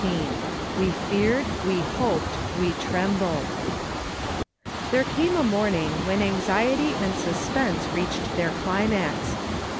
tVE FEARED, WE HOPED WE TREMBLED. There came a morning when anxiety and suspense reached their climax.